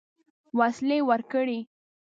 وسلې ورکړې.